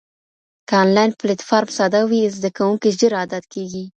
که انلاین پلیټفارم ساده وي، زده کوونکي ژر عادت کېږي.